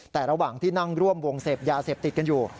แต่ระหว่างที่นั่งร่วมวงเสพยาเสพติดกันอยู่